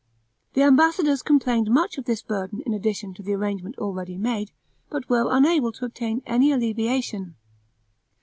The ambassadors complained much of this burden in addition to the arrangement already made, but were unable to obtain any alleviation.